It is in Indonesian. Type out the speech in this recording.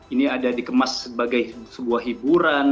ini ada dikemas sebagai sebuah hiburan